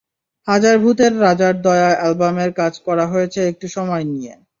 হাজার ভূতের রাজার দয়া অ্যালবামের কাজ করা হয়েছে একটু সময় নিয়ে।